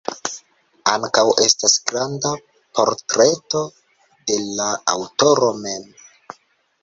Ankaŭ estas granda portreto de la aŭtoro mem.